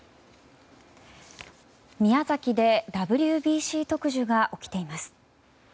宮崎でＷＢＣ特需が起きています。